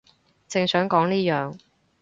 正想講呢樣